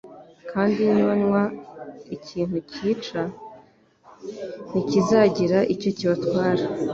kandi nibanywa ikintu cyica ntikizagira icyo kibatwara,